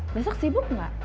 besok sibuk gak